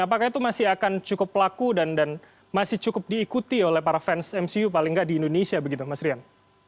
apakah itu masih akan cukup laku dan masih cukup diikuti oleh para fans mcu paling nggak di indonesia begitu mas rian